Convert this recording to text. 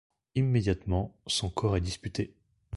Immédiatement, son corps est disputé.